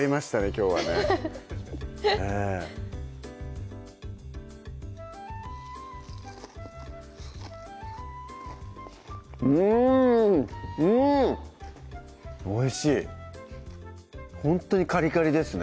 きょうはねうんうん！おいしいほんとにカリカリですね